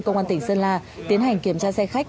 công an tỉnh sơn la tiến hành kiểm tra xe khách